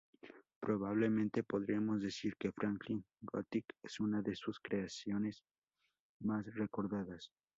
Probablemente podríamos decir que Franklin Gothic es una de sus creaciones más recordadas.